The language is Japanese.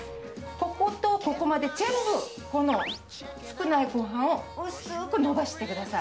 こことここまで全部この少ないごはんを薄く伸ばしてください。